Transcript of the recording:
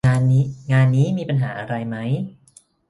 งานนี้มีปัญหาอะไรไหม